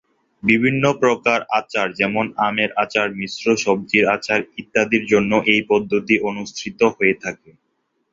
বিভিন্ন প্রকার আচার, যেমনঃ আমের আচার, মিশ্র সবজির আচার ইত্যাদির জন্য এই পদ্ধতি অনুসৃত হয়ে থাকে।